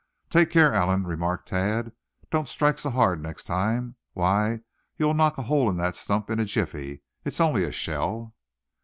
"Take care, Allan," remarked Thad; "don't strike so hard next time. Why, you'll knock a hole in that stump in a jiffy. It's only a shell."